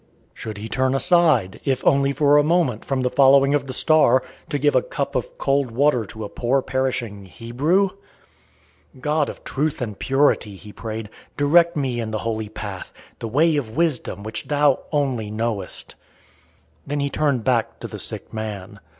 Should he turn aside, if only for a moment, from the following of the star, to give a cup of cold water to a poor, perishing Hebrew? "God of truth and purity," he prayed, "direct me in the holy path, the way of wisdom which Thou only knowest." Then he turned back to the sick man.